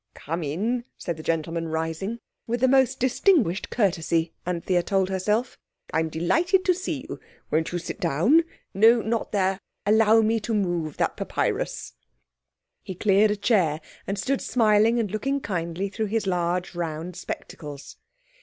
"Come in," said the gentleman, rising—with the most distinguished courtesy, Anthea told herself. "I am delighted to see you. Won't you sit down? No, not there; allow me to move that papyrus." He cleared a chair, and stood smiling and looking kindly through his large, round spectacles.